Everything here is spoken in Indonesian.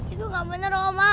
itu enggak bener ma